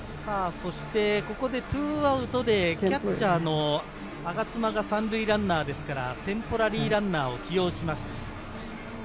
そしてここで２アウトでキャッチャーの我妻が３塁ランナーですから、テンポラリーランナーを起用します。